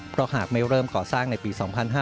เพราะหากไม่เริ่มก่อสร้างในปี๒๕๕๙